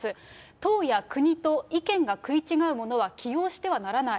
党や国と意見が食い違うものは起用してはならない。